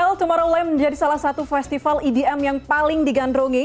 eltumorang menjadi salah satu festival edm yang paling digandrungi